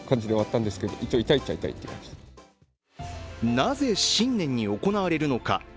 なぜ新年に行われるのか。